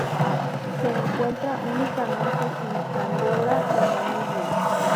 Se encuentra únicamente en Angola y Namibia.